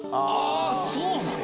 そうなん？